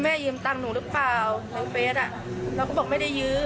แล้วที่โดนมาเป็นประมาณเท่านั้นหรือ